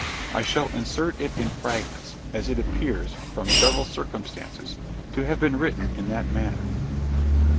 I shall insert it in fragments; as it appears, from several circumstances, to have been written in that manner.